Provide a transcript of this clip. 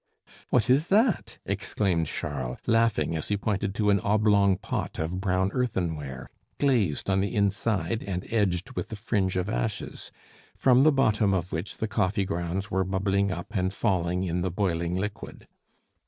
"What is that?" exclaimed Charles, laughing, as he pointed to an oblong pot of brown earthenware, glazed on the inside, and edged with a fringe of ashes, from the bottom of which the coffee grounds were bubbling up and falling in the boiling liquid.